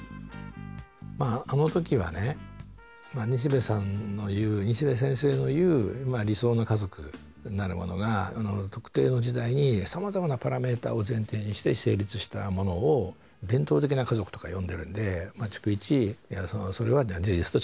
まああの時はね西部さんの言う西部先生の言う理想の家族なるものが特定の時代にさまざまなパラメーターを前提にして成立したものを「伝統的な家族」とか呼んでるんで逐一「それは事実と違います。